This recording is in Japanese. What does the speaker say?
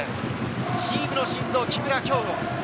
チームの心臓・木村匡吾。